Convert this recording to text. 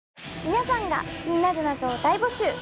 皆さんが気になる謎を大募集！